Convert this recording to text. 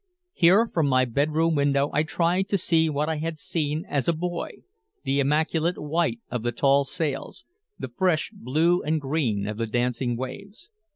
Here from my bedroom window I tried to see what I had seen as a boy, the immaculate white of the tall sails, the fresh blue and green of the dancing waves.